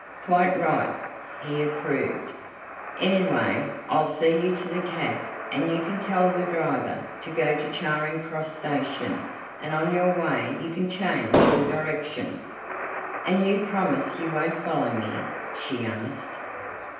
"Quite right," he approved; "anyway I'll see you to the cab and you can tell the driver to go to Charing Cross station and on your way you can change your direction." "And you promise you won't follow me?" she asked.